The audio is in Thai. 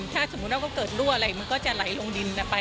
ถ้าสมมุติว่าเกิดรั่วอะไรมันก็จะไหลลงดินไป